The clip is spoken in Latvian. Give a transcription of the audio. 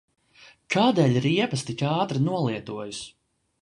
Kādēļ riepas tik ātri nolietojas?